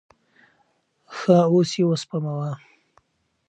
ښه اوس یې اوسپموه.